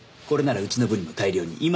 これならうちの部にも大量に。